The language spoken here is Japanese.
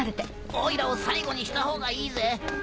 オイラを最後にしたほうがいいぜ。